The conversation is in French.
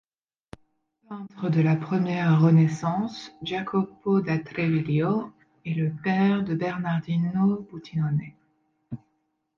Peintre de la Première Renaissance, Jacopo da Treviglio est le père de Bernardino Butinone.